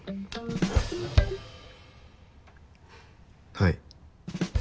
はい。